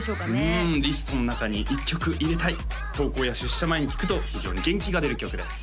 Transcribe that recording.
うんリストの中に１曲入れたい登校や出社前に聴くと非常に元気が出る曲です